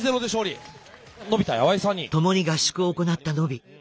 共に合宿を行ったノビ。